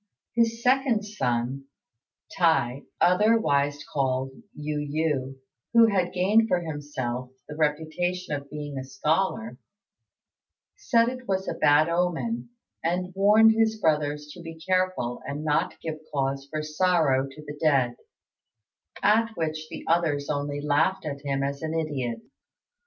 His second son, T'i, otherwise called Yu yü, who had gained for himself the reputation of being a scholar, said it was a bad omen, and warned his brothers to be careful and not give cause for sorrow to the dead, at which the others only laughed at him as an idiot.